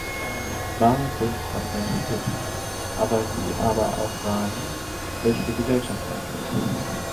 Wahre Kunst macht Menschen glücklich. Aber sie aber auch Fragen, welche die Gesellschaft angehen.